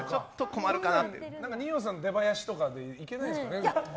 二葉さんの出囃子とかいけないですかね。